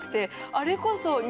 あれこそ。